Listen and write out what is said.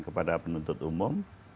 kepada penuntut umum